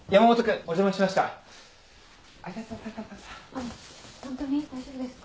あっホントに大丈夫ですか？